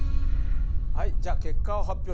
はいじゃあ結果を発表します。